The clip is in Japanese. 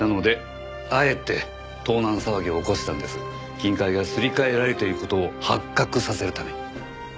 金塊がすり替えられている事を発覚させるために。